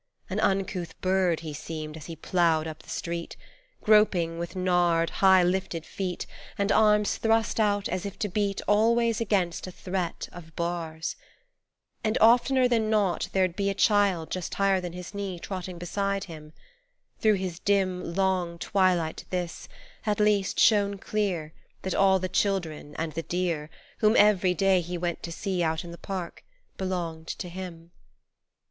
An uncouth bird He seemed as he ploughed up the street, Groping, with knarred, high lifted feet And arms thrust out as if to beat Always against a threat of bars. And oftener than not there 'd be A child just higher than his knee Trotting beside him. Through his dim Long twilight this, at least, shone clear, That all the children and the deer, Whom every day he went to see Out in the park, belonged to him.